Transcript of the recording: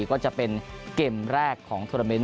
ก็จะเป็นเกมแรกของโทรเมนต